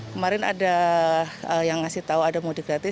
kemarin ada yang ngasih tahu ada mudik gratis